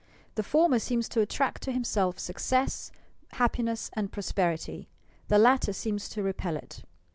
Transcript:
The former seems to attract to himself success, happiness and prosperity; the latter seems to repel it.